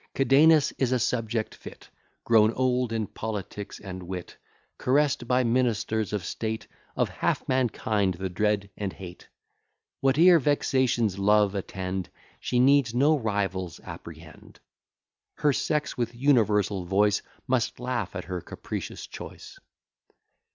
Cadenus is a subject fit, Grown old in politics and wit, Caress'd by ministers of state, Of half mankind the dread and hate. Whate'er vexations love attend, She needs no rivals apprehend. Her sex, with universal voice, Must laugh at her capricious choice.